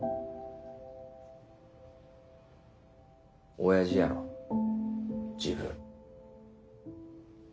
おやじやろ自分。